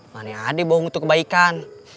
mana ada bohong untuk kebaikan